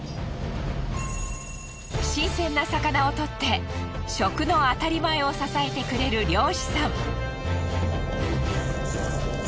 新鮮な魚を獲って食のあたりまえを支えてくれる漁師さん。